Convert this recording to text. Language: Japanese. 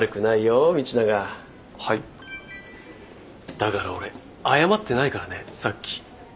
だから俺謝ってないからねさっき。